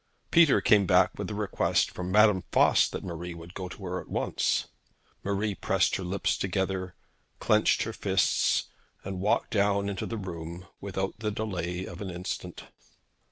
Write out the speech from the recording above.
Peter came back with a request from Madame Voss that Marie would go to her at once. Marie pressed her lips together, clenched her fists, and walked down into the room without the delay of an instant.